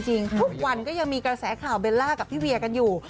ทุกวันก็ยังมีกระแสข่าวเบลล่ากับพี่เวียกันอยู่